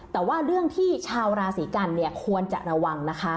แต่ว่าเรื่องที่ชาวราศีกันเนี่ยควรจะระวังนะคะ